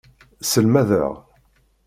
Sselmadeɣ.